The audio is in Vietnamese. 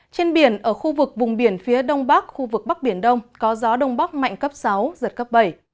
trên biển ở khu vực vùng biển phía đông bắc khu vực bắc biển đông có gió đông bắc mạnh cấp sáu giật cấp bảy